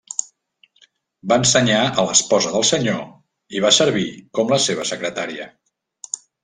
Va ensenyar a l'esposa del senyor i va servir com la seva secretària.